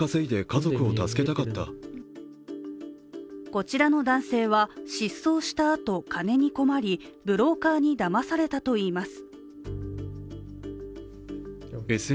こちの男性は失踪したあと金に困り、ブローカーにだまされたといいます。